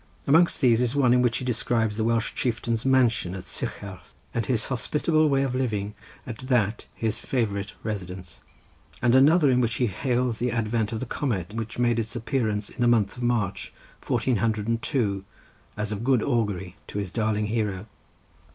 Amongst these is one in which he describes the Welsh chieftain's mansion at Sycharth, and his hospitable way of living at that his favourite residence; and another in which he hails the advent of the comet, which made its appearance in the month of March, fourteen hundred and two, as of good augury to his darling hero.